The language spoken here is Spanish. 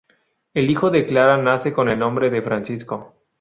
El hijo de Clara nace con el nombre de Francisco.